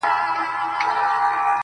ور پسې وه د خزان وحشي بادونه،